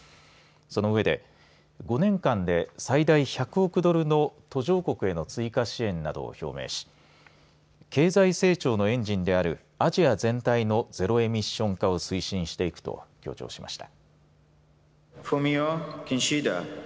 その上で５年間で最大１００億ドルの途上国への追加支援などを表明し経済成長のエンジンであるアジア全体のゼロエミッション化を推進していくと強調しました。